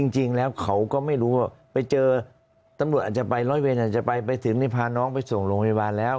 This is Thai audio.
จริงแล้วเขาก็ไม่รู้ว่าไปเจอตำรวจอาจจะไปร้อยเวรอาจจะไปไปถึงนี่พาน้องไปส่งโรงพยาบาลแล้ว